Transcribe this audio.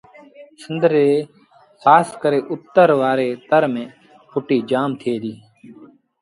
سنڌ ري کآس ڪري اُتر وآري تر ميݩ ڦُٽيٚ جآم ٿئي دي